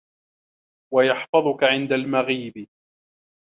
وَيَحْفَظَك عِنْدَ الْمَغِيبِ